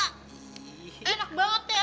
enak banget ya